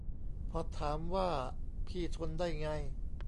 พอถามว่าพี่ทนได้ไง